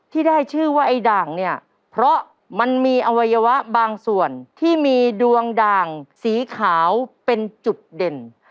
ที่ได้ชื่อว่าไอ้ด่างเนี่ยเพราะมันมีอวัยวะบางส่วนที่มีดวงด่างสีขาวเป็นจุดเด่น